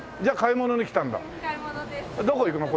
どこ行くの？